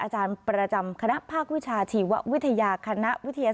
อาจารย์ประจำคณะภาควิชาชีววิทยาคณะวิทยาศาสตร์จุลาโรงกรมหาวิทยาลัยค่ะ